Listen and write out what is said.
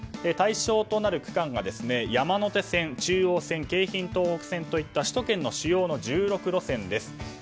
対象となる区間は山手線、中央線京浜東北線といった首都圏の主要の１６路線です。